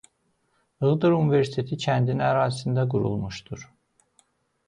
İğdır Universiteti kəndin ərazisində qurulmuşdur.